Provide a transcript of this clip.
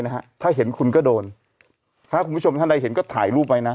นะฮะถ้าเห็นคุณก็โดนถ้าคุณผู้ชมท่านใดเห็นก็ถ่ายรูปไว้นะ